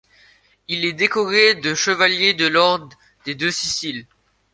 Il est décoré de chevalier de l'ordre des Deux-Siciles.